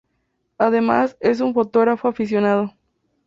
Además, es un fotógrafo aficionado.